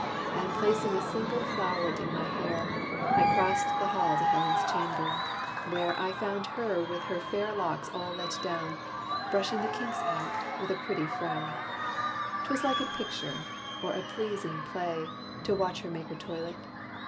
And placing a single flowret in my hair, I crossed the hall to Helen's chamber, where I found her with her fair locks all let down, Brushing the kinks out, with a pretty frown. 'T was like a picture, or a pleasing play, To watch her make her toilet.